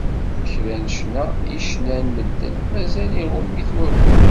Kra n ccna i ccnan medden, mazal iɣumm-it wagu.